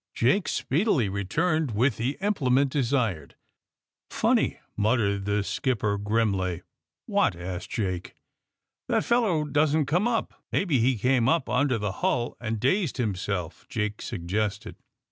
Jake speedily returned with the implement desired. *^ Funny!" muttered the skipper grimly. ^^What!" asked Jake. ^^Tliat feller doesn't come uj)." Maybe he came up under the hull and dazed himself," Jake suggested.